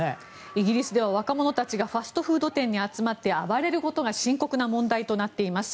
イギリスでは若者たちがファストフード店に集まって暴れることが深刻な問題となっています。